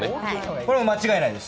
これは間違いないです。